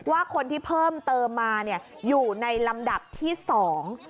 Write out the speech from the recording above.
ว่าคนที่เพิ่มเติมมาเนี่ยอยู่ในลำดับที่สอง